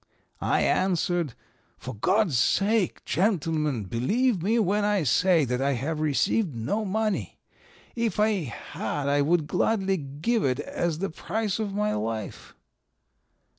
"I answered, 'For God's sake, gentlemen, believe me when I say that I have received no money. If I had I would gladly give it as the price of my life.'